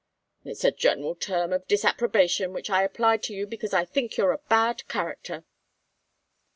"It's a general term of disapprobation which I applied to you because I think you're a bad character."